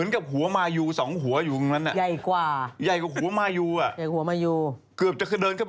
นะคะอะนี่ไม่ใช่ละ